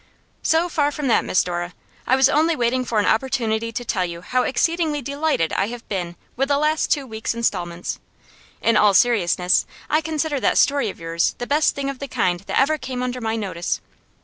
'So far from that, Miss Dora, I was only waiting for an opportunity to tell you how exceedingly delighted I have been with the last two weeks' instalments. In all seriousness, I consider that story of yours the best thing of the kind that ever came under my notice.